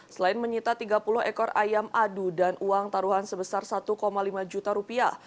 selain menyita tiga puluh ekor ayam adu dan uang taruhan sebesar satu lima juta rupiah